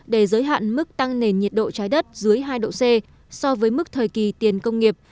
để giới hạn mức tăng nền nhiệt độ trái đất dưới hai độ c so với mức thời kỳ tiền công nghiệp